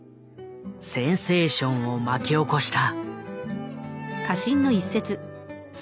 センセーションを巻き起こした。